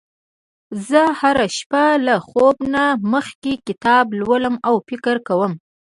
زه هره شپه له خوب نه مخکې کتاب لولم او فکر کوم